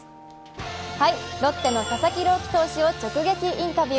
ロッテの佐々木朗希選手を直撃インタビュー。